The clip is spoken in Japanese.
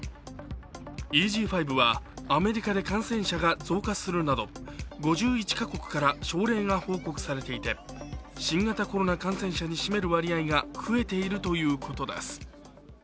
ＥＧ．５はアメリカで感染者が増加するなど５１か国から症例が報告されていて、新型コロナ感染者に占める割合が増えているということです。